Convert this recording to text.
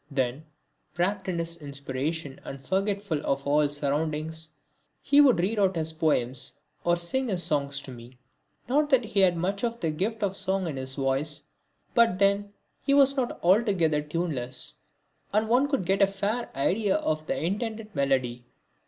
Then, wrapt in his inspiration and forgetful of all surroundings, he would read out his poems or sing his songs to me. Not that he had much of the gift of song in his voice; but then he was not altogether tuneless, and one could get a fair idea of the intended melody.